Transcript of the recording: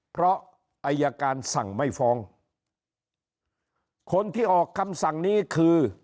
เพราะอายการสั่งไม่ฟ้องคนที่ออกคำสั่งนี้คือ